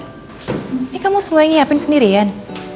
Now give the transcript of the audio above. ini kamu semua yang nyiapin sendirian